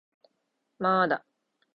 まーだ